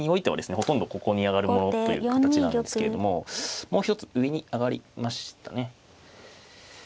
ほとんどここに上がるものという形なんですけれどももう一つ上に上がりましたね。